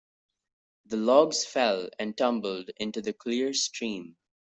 The logs fell and tumbled into the clear stream.